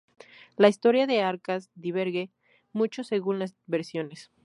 La historia de Arcas diverge mucho según las versiones.